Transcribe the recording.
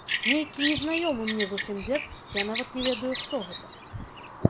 Нейкі незнаёмы мне зусім дзед, я нават не ведаю, хто гэта.